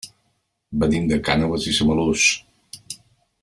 Venim de Cànoves i Samalús.